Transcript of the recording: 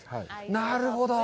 なるほど。